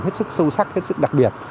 hết sức sâu sắc hết sức đặc biệt